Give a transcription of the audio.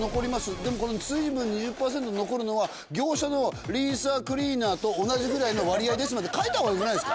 「でもこの水分２０パーセント残るのは業者のリンサークリーナーと同じぐらいの割合です」まで書いた方がよくないですか？